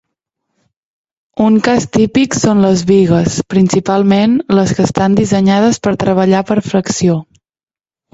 Un cas típic són les bigues, principalment, les que estan dissenyades per treballar per flexió.